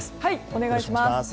お願いします。